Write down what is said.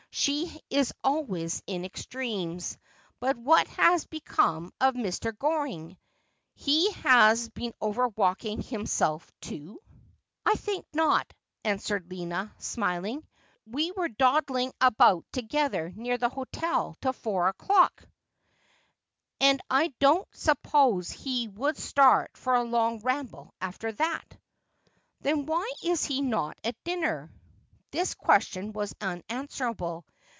' She is always in extremes. But what has become of Mr. Goring ? Has he been overwalking himself too ?' 'For Love and not for Hate thou must he ded.' 351 ' I think not,' answered Lina, smiling ;' we were dawdling about together near the hotel till four o'clock, and I don't sup pose he would start for a long ramble after that.' ' Then why is he not at dinner ?' This question was unanswerable.